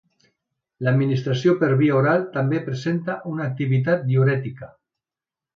L'administració per via oral també presenta una activitat diürètica.